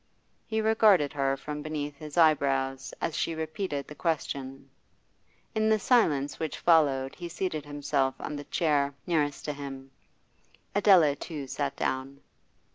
He regarded her from beneath his eyebrows as she repeated the question. In the silence which followed he seated himself on the chair nearest to him. Adela too sat down.